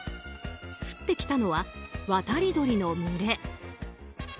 降ってきたのは渡り鳥の群れ。